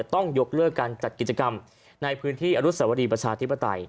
ต้องยกเลิกการจัดกิจกรรมในพื้นที่อนุสวรีประชาธิปไตย